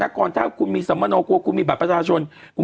ท่านภารกิจแรกของมีสมนตร์กว๊ะกูมีบัตรประสาทชน